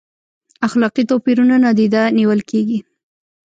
اخلاقي توپیرونه نادیده نیول کیږي؟